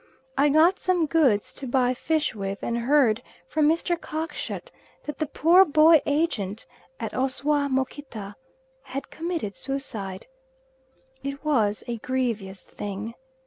I got some goods to buy fish with, and heard from Mr. Cockshut that the poor boy agent at Osoamokita, had committed suicide. It was a grievous thing.